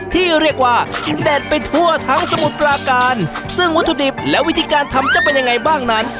ที่เรียกว่าเด็ดไปทั่วทั้งสมุทรปราการซึ่งวัตถุดิบและวิธีการทำจะเป็นยังไงบ้างนั้น